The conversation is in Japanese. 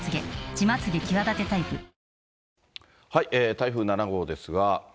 台風７号ですが。